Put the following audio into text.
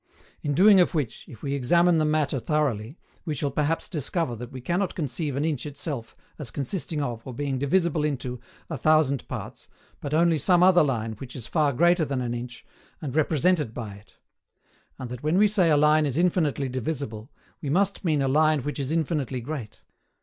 In doing of which, if we examine the matter thoroughly, we shall perhaps discover that we cannot conceive an inch itself as consisting of, or being divisible into, a thousand parts, but only some other line which is far greater than an inch, and represented by it; and that when we say a line is infinitely divisible, we must mean a line which is infinitely great.